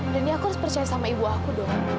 jadi aku harus percaya sama ibu aku dong